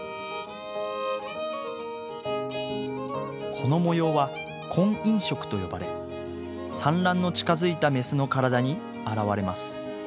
この模様は婚姻色と呼ばれ産卵の近づいたメスの体に現れます。